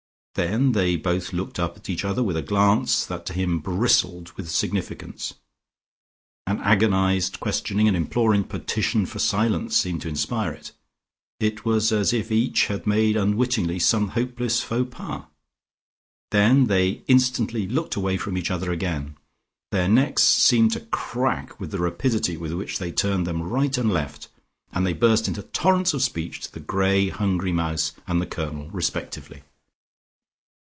Then they both looked up at each other with a glance that to him bristled with significance. An agonised questioning, an imploring petition for silence seemed to inspire it; it was as if each had made unwittingly some hopeless faux pas. Then they instantly looked away from each other again; their necks seemed to crack with the rapidity with which they turned them right and left, and they burst into torrents of speech to the grey hungry mouse and the Colonel respectively.